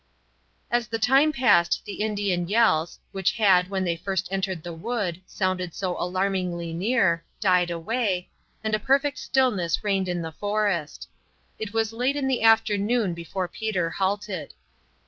As the time passed the Indian yells, which had, when they first entered the wood, sounded so alarmingly near, died away, and a perfect stillness reigned in the forest. It was late in the afternoon before Peter halted.